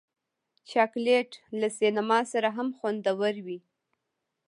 چاکلېټ له سینما سره هم خوندور وي.